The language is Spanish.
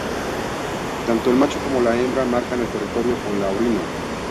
Tanto el macho como la hembra marcan el territorio con la orina.